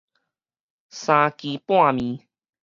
三更半暝